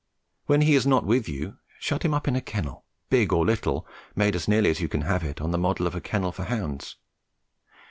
When he is not with you, shut him up in a kennel, big or little, made as nearly as you can have it on the model of a kennel for hounds.